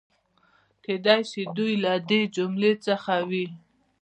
کېدای شي دوی له دې جملې څخه وي.